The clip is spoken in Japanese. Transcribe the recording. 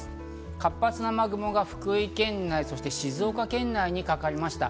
活発な雨雲が福井県内、そして静岡県内にかかりました。